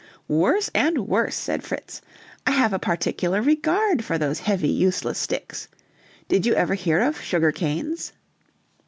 "Worse and worse," said Fritz; "I have a particular regard for those heavy, useless sticks. Did you ever hear of sugar canes?"